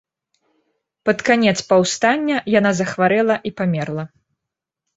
Пад канец паўстання яна захварэла і памерла.